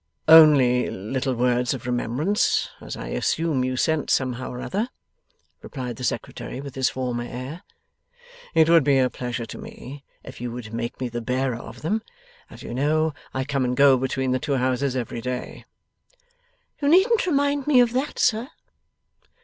'Only little words of remembrance as I assume you sent somehow or other,' replied the Secretary with his former air. 'It would be a pleasure to me if you would make me the bearer of them. As you know, I come and go between the two houses every day.' 'You needn't remind me of that, sir.